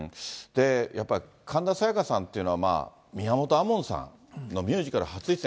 やっぱり神田沙也加さんっていうのは、宮本亜門さんのミュージカル初出演。